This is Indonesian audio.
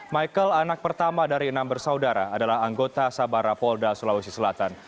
michael anak pertama dari enam bersaudara adalah anggota sabara polda sulawesi selatan